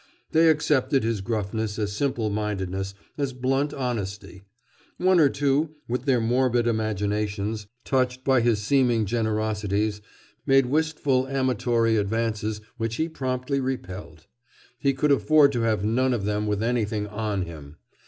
They accepted his gruffness as simple mindedness, as blunt honesty. One or two, with their morbid imaginations touched by his seeming generosities, made wistful amatory advances which he promptly repelled. He could afford to have none of them with anything "on" him.